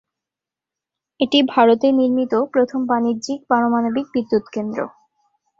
এটি ভারতে নির্মিত প্রথম বাণিজ্যিক পারমাণবিক বিদ্যুৎ কেন্দ্র।